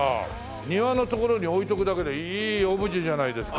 庭の所に置いておくだけでいいオブジェじゃないですか。